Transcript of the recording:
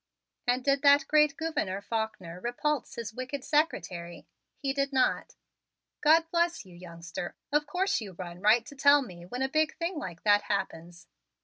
And did that great Gouverneur Faulkner repulse his wicked secretary? He did not. "God bless you, youngster! Of course you run right to tell me when a big thing like that happens.